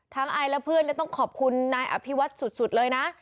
ไอและเพื่อนเลยต้องขอบคุณนายอภิวัตสุดเลยนะ